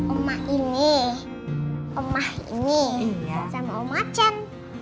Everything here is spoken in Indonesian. omah ini omah ini sama omah cem